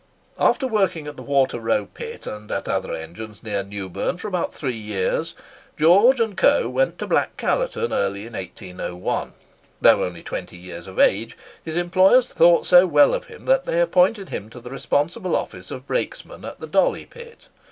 After working at the Water row Pit and at other engines near Newburn for about three years, George and Coe went to Black Callerton early in 1801. Though only twenty years of age, his employers thought so well of him that they appointed him to the responsible office of brakesman at the Dolly Pit.